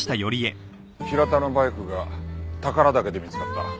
平田のバイクが宝良岳で見つかった。